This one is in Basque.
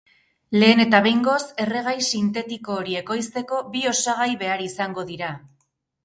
Lehen eta behingoz, erregai sintetiko hori ekoizteko bi osagai behar izango dira.